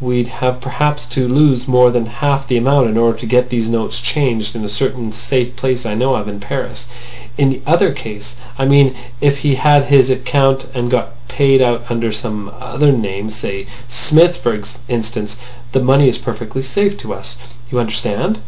We'd have perhaps to lose more than half the amount in order to get these notes changed in a certain safe place I know of in Paris. In the other case I mean if he had his account and got paid out under some other name—say Smith, for instance—the money is perfectly safe to use. You understand?